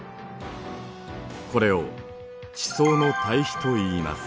これを地層の対比といいます。